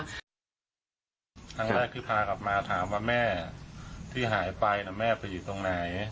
ครับครับครับครับครับครับครับครับครับครับครับ